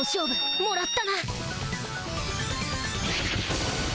もらった！